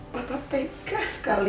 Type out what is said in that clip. bapak pegah sekali